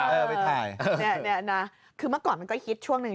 เออไปถ่ายเนี่ยนะคือเมื่อก่อนมันก็ฮิตช่วงหนึ่ง